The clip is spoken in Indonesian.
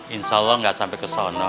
insya allah gak sampe kesono